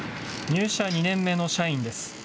入社２年目の社員です。